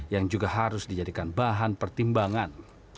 yang juga harus dijadikan bahan pertimbangan